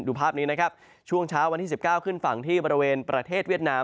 ภาพนี้นะครับช่วงเช้าวันที่๑๙ขึ้นฝั่งที่บริเวณประเทศเวียดนาม